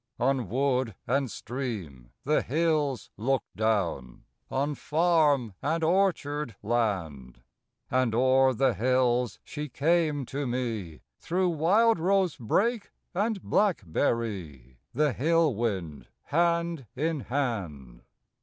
On wood and stream the hills look down, On farm and orchard land; And o'er the hills she came to me Through wildrose brake and blackberry, The hill wind hand in hand.